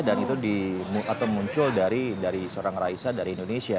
dan itu muncul dari seorang raisa dari indonesia